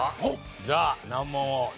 じゃあ難問をね